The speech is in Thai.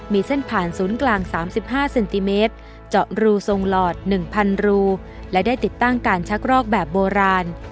มีเส้นผ่านศูนย์กลาง๓๕เซนติเมตรเจาะรูทรงหลอด๑๐๐รูและได้ติดตั้งการชักรอกแบบโบราณ